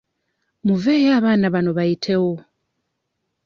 Muveeyo abaana bano bayitewo.